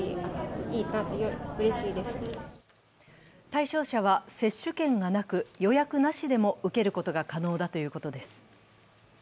対象者は接種券がなく、予約なしでも受けることが可能だということです。